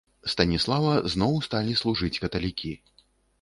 Станіслава зноў сталі служыць каталікі.